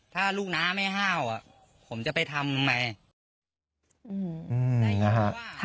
ถ้าลูกน้าไม่ห้าวอะผมจะไปทำไงยังไงฮะ